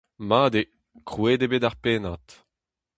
Mat eo, krouet eo bet ar pennad !